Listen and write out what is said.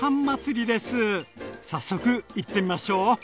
早速いってみましょう！